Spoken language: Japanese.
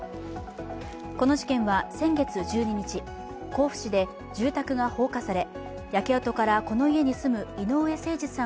この事件は先月１２日、甲府市で住宅が放火され、焼け跡からこの家に住む井上盛司さん